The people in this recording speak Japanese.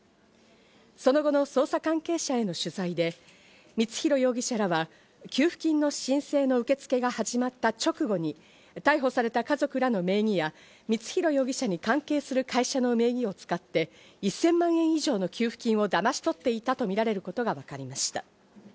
その後の捜査関係者への取材で光弘容疑者らは給付金の申請の受け付けが始まった直後に逮捕された家族らの名義や光弘容疑者に関係する会社の名義を使って１０００万円以上の給付金をだまし取っていたとみられることが分かりました。